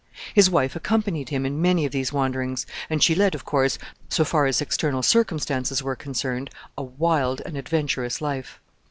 His wife accompanied him in many of these wanderings, and she led, of course, so far as external circumstances were concerned, a wild and adventurous life.